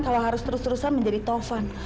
kalau harus terus terusan menjadi tovan